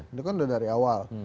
itu kan udah dari awal